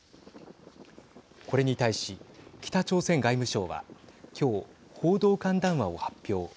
これに対し北朝鮮外務省は今日報道官談話を発表。